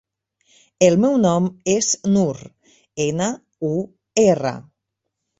El meu nom és Nur: ena, u, erra.